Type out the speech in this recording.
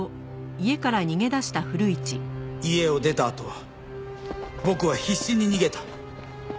家を出たあと僕は必死に逃げた。